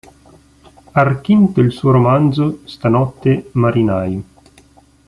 Archinto il suo romanzo “Stanotte marinaio”.